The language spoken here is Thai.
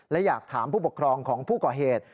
และอยากถามผู้ปกครองของผู้ก่อเหตุ